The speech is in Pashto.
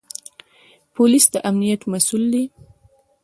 پولیس د امنیت مسوول دی